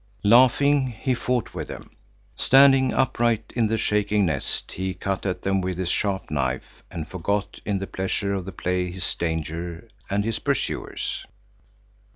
Laughing, he fought with them. Standing upright in the shaking nest, he cut at them with his sharp knife and forgot in the pleasure of the play his danger and his pursuers.